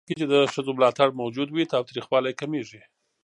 په ټولنه کې چې د ښځو ملاتړ موجود وي، تاوتريخوالی کمېږي.